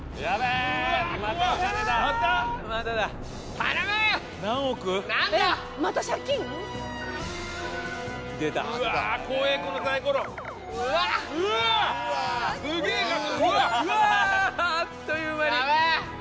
あっという間に。